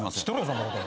そんなこと。